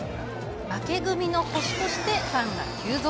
負け組の星としてファンが急増。